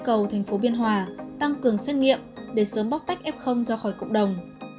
cầu thành phố biên hòa tăng cường xét nghiệm để sớm bóc tách f ra khỏi cộng đồng